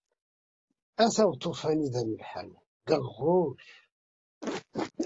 Ata uṭufan i d amellḥan. Geɣɣuc!